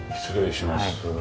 失礼します。